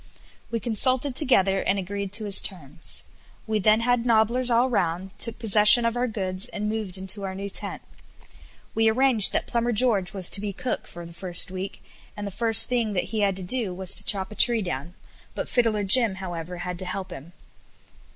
We consulted together, and agreed to his terms. We then had nobblers all round, took possession of our goods, and moved into our new tent. We arranged that Plumber George was to be cook for the first week, and the first thing that he had to do was to chop a tree down, but Fiddler Jim, however, had to help him.